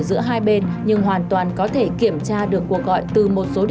với những người kém may mắn